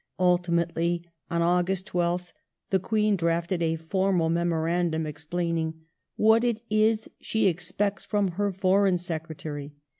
Ultimately, on August 12th, the Queen drafted a formal memorandum explain ing "what it is she expects from her Foreign Secretary".